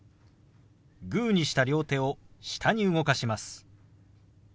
グーにした両手を下に動かします。